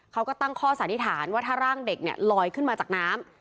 เขาก็ตั้งข้อสันนิษฐานว่าถ้าร่างเด็กเนี่ยลอยขึ้นมาจากน้ำ